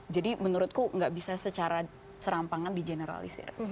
jadi menurutku nggak bisa secara serampangan di generalisir